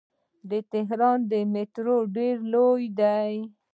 د تهران میټرو ډیره لویه ده.